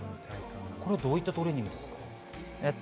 これはどういうトレーニングですか？